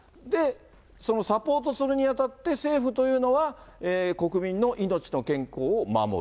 そのサポートするにあたって、政府というのは、国民の命と健康を守る。